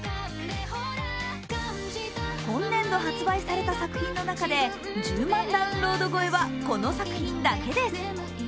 今年度発売された作品の中で１０万ダウンロード超えは、この作品だけです。